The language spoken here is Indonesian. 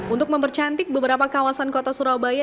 untuk mempercantik beberapa kawasan kota surabaya